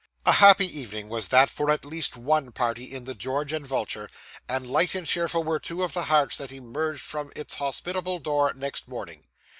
A happy evening was that for at least one party in the George and Vulture; and light and cheerful were two of the hearts that emerged from its hospitable door next morning.